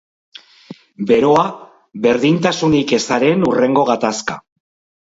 Beroa, berdintasunik ezaren hurrengo gatazka.